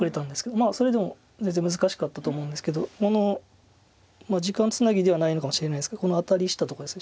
まあそれでも全然難しかったと思うんですけどこの時間つなぎではないのかもしれないですけどこのアタリしたとこですね。